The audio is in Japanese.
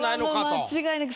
もう間違いなく。